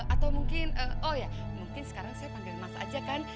atau mungkin oh ya mungkin sekarang saya panggil mas aja kan